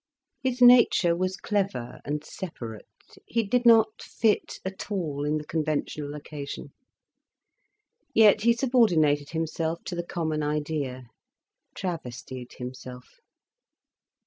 His nature was clever and separate, he did not fit at all in the conventional occasion. Yet he subordinated himself to the common idea, travestied himself.